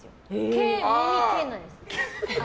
毛、耳、毛なんです。